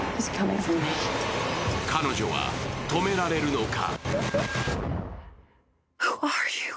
彼女は止められるのか。